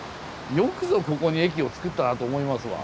よくぞここに駅を作ったなと思いますわ。